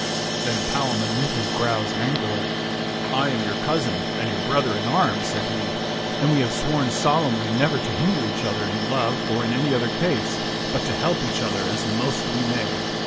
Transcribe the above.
Then Palamon knit his brows angrily. " I am your cousin and your brother in arms," said he; "and we have sworn solemnly never to hinder each other in love or in any other case, but to help each other as most we may.